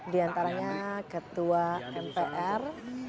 diantaranya ketua mpr